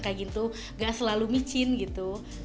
kayak gitu gak selalu micin gitu